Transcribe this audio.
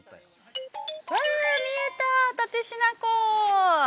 ◆わあ、見えた、蓼科湖！